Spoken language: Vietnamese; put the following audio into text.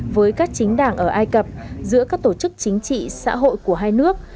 với các chính đảng ở ai cập giữa các tổ chức chính trị xã hội của hai nước